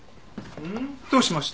どうしました？